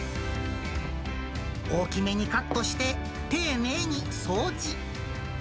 大きめにカットして、丁寧に掃除。